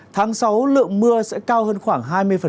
tháng sáu lượng mưa sẽ cao hơn khoảng hai mươi